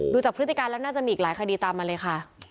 ดูจากพฤติการแล้วน่าจะมีอีกหลายคดีตามมาเลยค่ะ